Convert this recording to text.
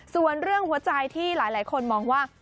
ส่วนเรื่องหัวใจที่หลายคนมองว่า